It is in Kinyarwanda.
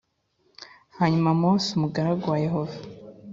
hanyuma mose umugaragu wa yehova+